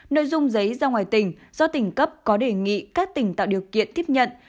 nội dung giấy ra ngoài tỉnh do tỉnh cấp có đề nghị các tỉnh tạo điều kiện tiếp nhận